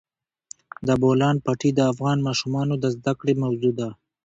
د بولان پټي د افغان ماشومانو د زده کړې موضوع ده.